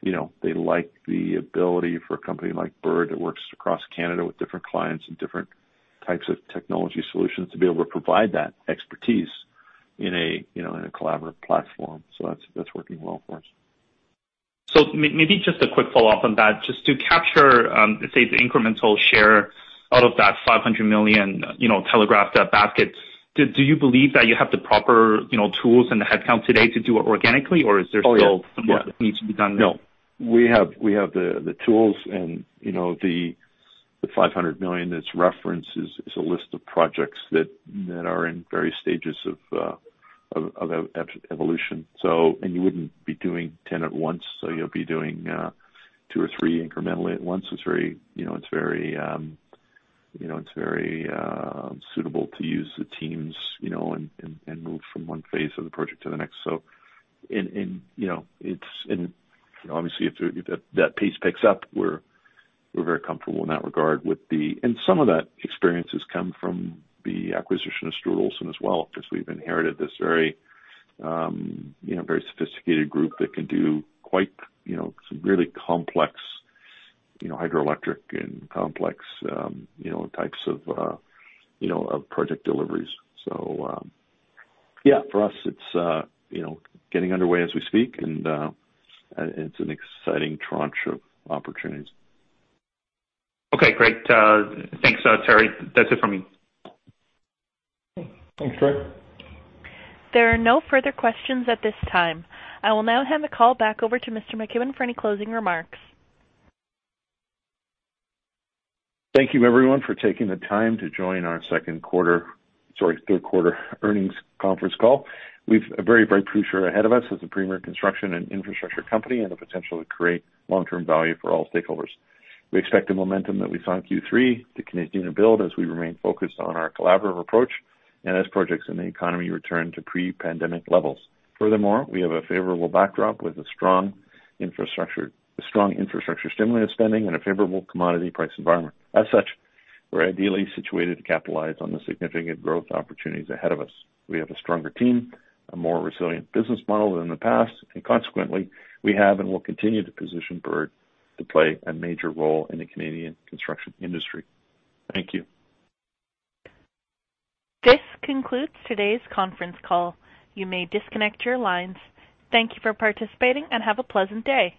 you know, they like the ability for a company like Bird that works across Canada with different clients and different types of technology solutions, to be able to provide that expertise in a, you know, in a collaborative platform. That's working well for us. Maybe just a quick follow-up on that. Just to capture, let's say the incremental share out of that 500 million, you know, telegraphed backlog, do you believe that you have the proper, you know, tools and the headcount today to do it organically, or is there still- Oh, yeah. some work that needs to be done? No. We have the tools. The 500 million that's referenced is a list of projects that are in various stages of evolution. You wouldn't be doing 10 at once, so you'll be doing 2 or 3 incrementally at once. It's very suitable to use the teams and move from one phase of the project to the next. Obviously if that pace picks up, we're very comfortable in that regard with the. Some of that experience has come from the acquisition of Stuart Olson as well, because we've inherited this very, you know, very sophisticated group that can do quite, you know, some really complex, you know, hydroelectric and complex types of project deliveries. Yeah, for us, it's, you know, getting underway as we speak, and it's an exciting tranche of opportunities. Okay, great. Thanks, Teri. That's it from me. Thanks, Troy. There are no further questions at this time. I will now hand the call back over to Mr. McKibbon for any closing remarks. Thank you everyone for taking the time to join our Third Quarter Earnings Conference Call. We've a very bright future ahead of us as a premier construction and infrastructure company and the potential to create long-term value for all stakeholders. We expect the momentum that we saw in Q3 to continue to build as we remain focused on our collaborative approach and as projects in the economy return to pre-pandemic levels. Furthermore, we have a favorable backdrop with a strong infrastructure stimulus spending and a favorable commodity price environment. As such, we're ideally situated to capitalize on the significant growth opportunities ahead of us. We have a stronger team, a more resilient business model than in the past, and consequently, we have and will continue to position Bird to play a major role in the Canadian construction industry. Thank you. This concludes today's conference call. You may disconnect your lines. Thank you for participating and have a pleasant day.